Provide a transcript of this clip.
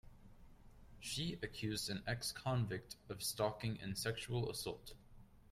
She accused an ex-convict of stalking and sexual assault.